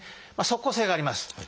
即効性があります。